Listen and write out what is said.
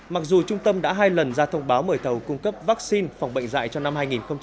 mặc dù trung tâm đã hai lần ra thông báo mời thầu cung cấp vaccine phòng bệnh dạy cho năm hai nghìn hai mươi